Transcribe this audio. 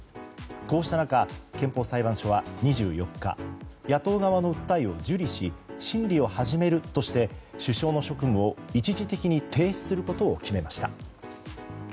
こうした中、憲法裁判所は２４日野党側の訴えを受理し審理を始めるとして首相の職務を一時的に停止することを決めました。